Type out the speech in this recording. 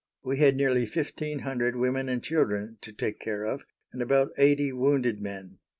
We had nearly fifteen hundred women and children to take care of, and about eighty wounded men.